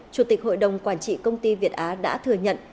chủ tịch hội đồng quản trị công ty việt á đã thừa nhận